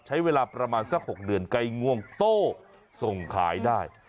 ใช้เวลาประมาณสัก๖เดือนใกล้ง่วงโต้ส่งขายได้